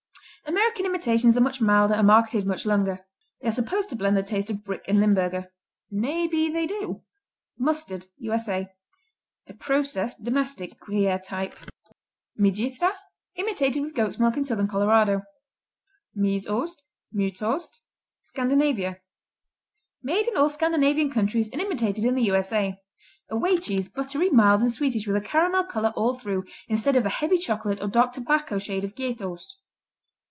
American imitations are much milder and marketed much younger. They are supposed to blend the taste of Brick and Limburger; maybe they do. Mustard U.S.A. A processed domestic, Gruyère type. Myjithra Imitated with goat's milk in Southern Colorado. Mysost, Mytost Scandinavia Made in all Scandinavian countries and imitated in the U.S.A. A whey cheese, buttery, mild and sweetish with a caramel color all through, instead of the heavy chocolate or dark tobacco shade of Gjetost.